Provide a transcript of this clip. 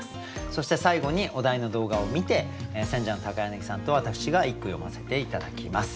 そして最後にお題の動画を観て選者の柳さんと私が一句詠ませて頂きます。